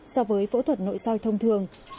so với phẫu thuật nội sao thông thường